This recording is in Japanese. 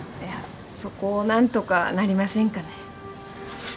そこを何とかなりませんかね。